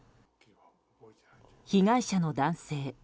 被害者の男性。